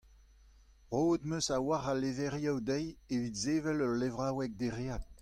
Roet em eus a-walc'h a levrioù dezhi evit sevel ul levraoueg dereat.